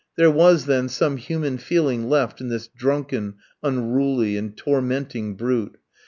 There was, then, some human feeling left in this drunken, unruly, and tormenting brute.